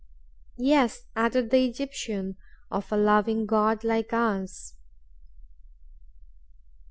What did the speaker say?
"Yes," added the Egyptian, "of a loving God like ours."